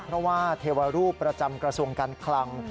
เพราะว่าเทวรูปประจำกระทรวงการคลัง